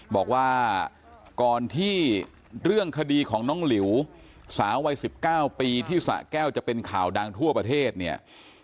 บอกว่าก่อนที่เรื่องคดีของน้องหลิวสาววัย๑๙ปีที่สะแก้วจะเป็นข่าวดังทั่วประเทศเนี่ย